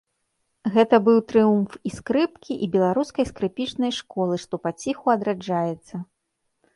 Гэта быў трыумф і скрыпкі, і беларускай скрыпічнай школы, што паціху адраджаецца.